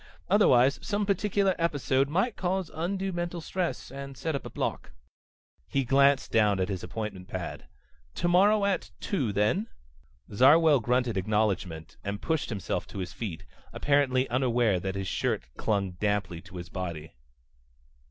Otherwise some particular episode might cause undue mental stress, and set up a block." He glanced down at his appointment pad. "Tomorrow at two, then?" Zarwell grunted acknowledgment and pushed himself to his feet, apparently unaware that his shirt clung damply to his body.